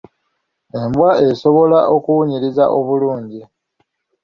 Embwa esobola okuwunyiriza obulungi.